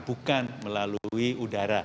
bukan melalui udara